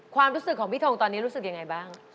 ความรู้สึกของพี่ทงตอนนี้รู้สึกยังไงบ้าง